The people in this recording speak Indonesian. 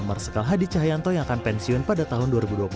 marsikal hadi cahyanto yang akan pensiun pada tahun dua ribu dua puluh